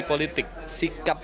memilih adalah bentuk ekspresi